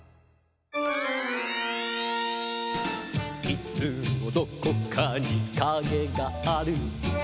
「いつもどこかにカゲがある」